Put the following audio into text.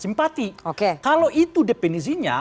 simpati kalau itu depenisinya